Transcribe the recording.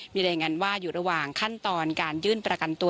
มีรายงานว่าอยู่ระหว่างขั้นตอนการยื่นประกันตัว